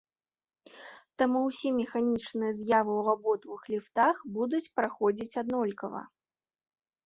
Таму ўсе механічныя з'явы ў абодвух ліфтах будуць праходзіць аднолькава.